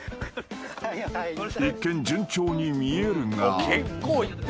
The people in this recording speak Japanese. ［一見順調に見えるが］